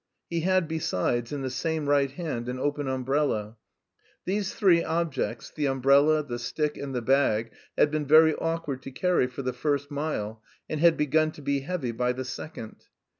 He had, besides, in the same right hand, an open umbrella. These three objects the umbrella, the stick, and the bag had been very awkward to carry for the first mile, and had begun to be heavy by the second.